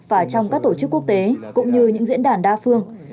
và trong các tổ chức quốc tế cũng như những diễn đàn đa phương